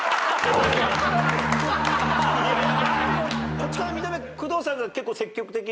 こっちから見た目。